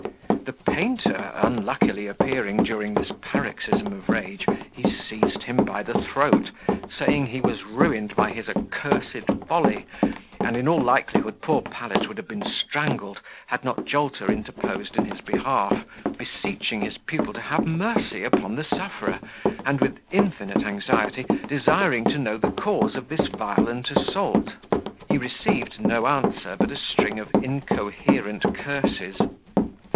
The painter unluckily appearing during this paroxysm of rage, he seized him by the throat, saying he was ruined by his accursed folly; and in all likelihood poor Pallet would have been strangled had not Jolter interposed in his behalf, beseeching his pupil to have mercy upon the sufferer, and, with infinite anxiety, desiring to know the cause of this violent assault. He received no answer but a string of incoherent curses.